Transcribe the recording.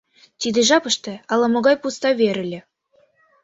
Тиде жапыште ала-могай пуста вер ыле.